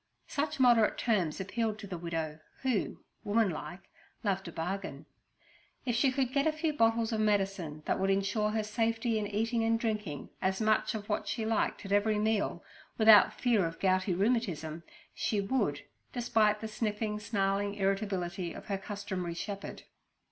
Such moderate terms appealed to the widow, who, woman like, loved a bargain. If she could get a few bottles of medicine that would insure her safety in eating and drinking as much of what she liked at every meal without fear of gouty rheumatism, she would, despite the sniffing, snarling irritability of her customary shepherd.